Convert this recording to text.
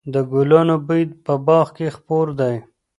د ګلانو بوی په باغ کې خپور دی.